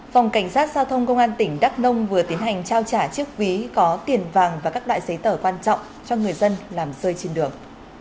phòng cảnh sát giao thông công an tỉnh đắk nông vừa tiến hành trao trả chiếc ví có tiền vàng và các loại giấy tờ quan trọng cho người dân làm rơi trên đường